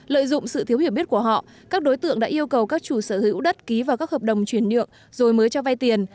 lợi dụng sự thiếu hiểu biết của họ các đối tượng đã yêu cầu các chủ sở hữu đất ký vào các hợp đồng chuyển nhượng rồi mới cho vay tiền